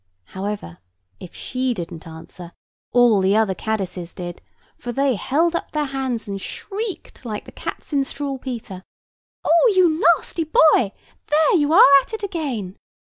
However, if she didn't answer, all the other caddises did; for they held up their hands and shrieked like the cats in Struwelpeter: "Oh, you nasty horrid boy; there you are at it again!